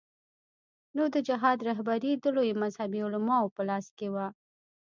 نو د جهاد رهبري د لویو مذهبي علماوو په لاس کې وه.